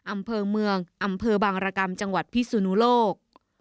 อำเภอเมืองอำเภอบางรกรรมจังหวัดพิสุนุโลก